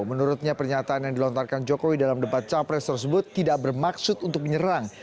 menurutnya pernyataan yang dilontarkan jokowi dalam debat capres tersebut tidak bermaksud untuk menyerang